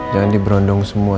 jangan diberondong semua